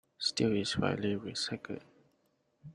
Steel is widely recycled.